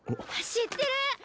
知ってる！